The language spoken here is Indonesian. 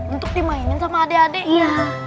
untuk dimainin sama adek adeknya